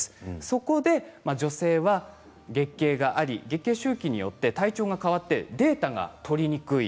そこで女性は月経があり、月経周期によって体調が変わってデータが取りにくい。